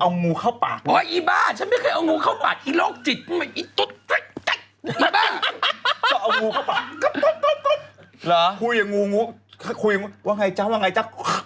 เอางูเข้าไปคุยกับงูคุยกับงูว่าไงจ๊ะว่าไงจ๊ะ